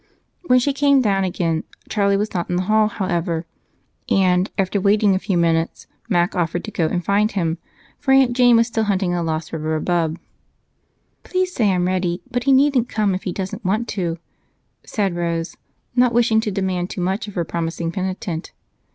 When she came down again Charlie was not in the hall, however, and, after waiting a few minutes, Mac offered to go and find him, for Aunt Jane was still hunting a lost rubber above. "Please say I'm ready, but he needn't come if he doesn't want to," said Rose, not wishing to demand too much of her promising penitent.